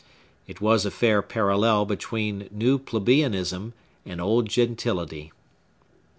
It was a fair parallel between new Plebeianism and old Gentility.